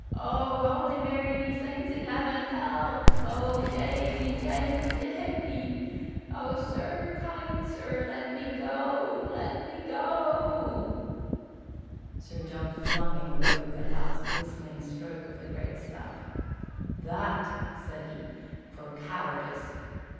O Holy Mary! Saints in Heaven! Help! O Jamie, Jamie, Jamie! O sir! Kind sir! let me go! Let me go!" Sir John flung him away with a last whistling stroke of the great staff. "That," said he, "for cowardice."